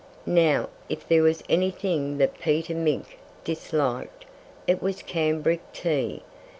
Now, if there was anything that Peter Mink disliked, it was cambric tea.